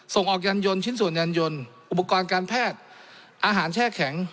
ส่งออกยานยนต์ชิ้นส่วนยานยนต์อุปกรณ์การแพทย์อาหารแช่แข็ง